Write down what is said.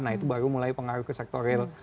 nah itu baru mulai pengaruh ke sektor real